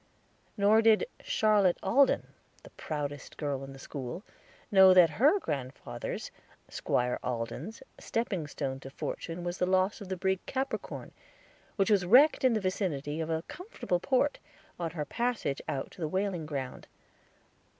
Nor did Charlotte Alden, the proudest girl in school, know that her grandfather's, Squire Alden's, stepping stone to fortune was the loss of the brig Capricorn, which was wrecked in the vicinity of a comfortable port, on her passage out to the whaling ground.